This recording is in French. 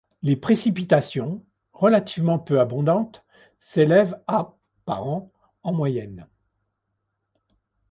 Les précipitations, relativement peu abondantes, s'élèvent à par an en moyenne.